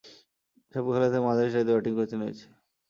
সবগুলো খেলাতেই মাঝারিসারিতে ব্যাটিং করতে নেমেছিলেন।